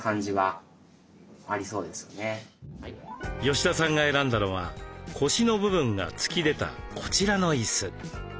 吉田さんが選んだのは腰の部分が突き出たこちらの椅子。